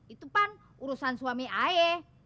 itu pak urusan suami ae